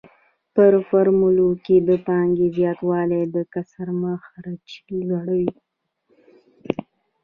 په فورمول کې د پانګې زیاتوالی د کسر مخرج لویوي